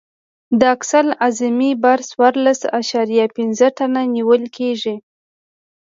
د اکسل اعظمي بار څوارلس اعشاریه پنځه ټنه نیول کیږي